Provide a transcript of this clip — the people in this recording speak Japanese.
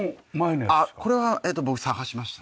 これは僕探しましたね。